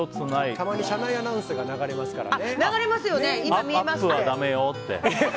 たまに車内アナウンスが流れますからね。